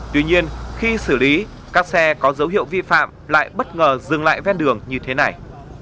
tuy nhiên khi xử lý các xe có dấu hiệu vi phạm lại bất ngờ dừng lại ven đường như thế này